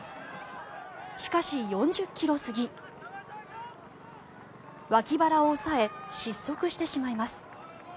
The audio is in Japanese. しかし、４０ｋｍ過ぎ脇腹を押さえ失速してしまいます。